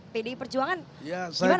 pdi perjuangan gimana gak khawatir mas